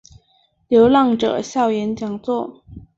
流浪者校园讲座